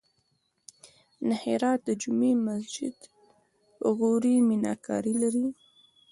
د هرات جمعې مسجد غوري میناکاري لري